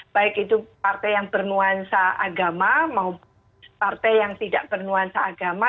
baik itu partai yang bernuansa agama maupun partai yang tidak bernuansa agama